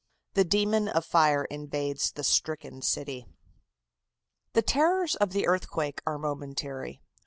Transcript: The Demon of Fire Invades the Stricken City. The terrors of the earthquake are momentary.